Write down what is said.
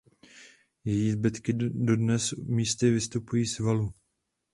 Její zbytky dodnes místy vystupují z valu.